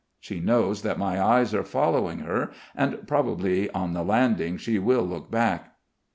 She knows that my eyes are following her, and probably on the landing she will look back.